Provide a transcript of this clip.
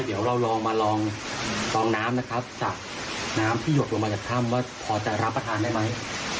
เดี๋ยวเราลองมาลองน้ำนะครับจากน้ำที่หยดลงมาจากถ้ำว่าพอจะรับประทานได้ไหม